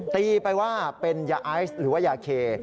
ตีไปว่าเป็นยาไอซ์หรือว่ายาเค